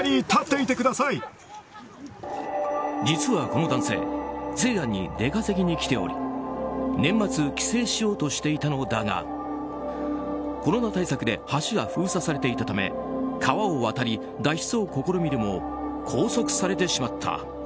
実は、この男性西安に出稼ぎに来ており年末帰省しようとしていたのだがコロナ対策で橋が封鎖されていたため川を渡り脱出を試みるも拘束されてしまった。